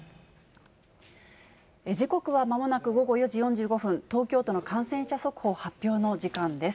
時刻はまもなく４時４５分、東京都の感染者速報発表の時間で